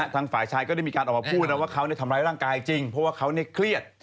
ทางฝ่ายชายก็ได้มีการออกมาพูดนะว่าเขาทำร้ายร่างกายจริงเพราะว่าเขาเครียด